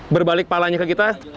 berbalik kepalanya ke kita